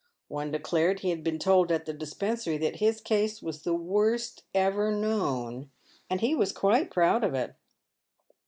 One declared he had been told at the dispensary that his case was the worst ever known, and he was quite proud of it.